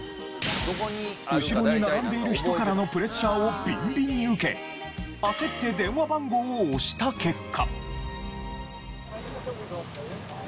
後ろに並んでいる人からのプレッシャーをビンビンに受け焦って電話番号を押した結果。